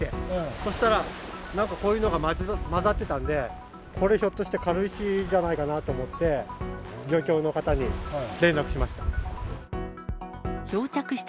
そしたら、なんかこういうのが交ざってたんで、これ、ひょっとして、軽石じゃないかなと思って、漁協の方に連絡しました。